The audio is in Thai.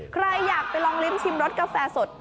ใครอยากไปลองลิ้มชิมรสกาแฟสด